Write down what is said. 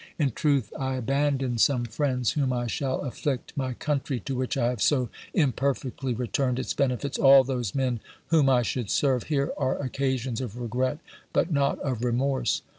In truth, I abandon some friends whom I shall afflict, my country to which I have so imperfectly returned its benefits, all those men whom I should serve; here are occasions of regret, but not of remorse.